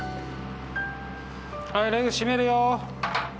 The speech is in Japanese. はいレグ閉めるよ。